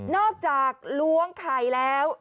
จากล้วงไข่แล้ว